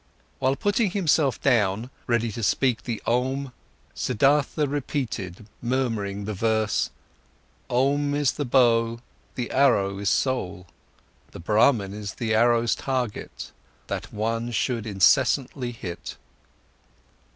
While putting himself down, ready to speak the Om, Siddhartha repeated murmuring the verse: Om is the bow, the arrow is soul, The Brahman is the arrow's target, That one should incessantly hit.